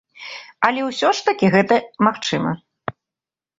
Але ўсё ж такі гэта магчыма.